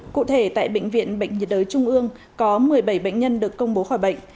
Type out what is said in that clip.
cụ thể tại bệnh viện bệnh nhiệt đới trung ương có một mươi bảy bệnh nhân được công bố khỏi bệnh